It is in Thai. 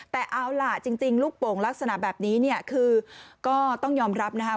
แต่เอาล่ะจริงลูกโป่งลักษณะแบบนี้เนี่ยคือก็ต้องยอมรับนะคะ